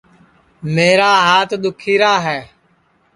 میرا ہات دُؔکھی راہے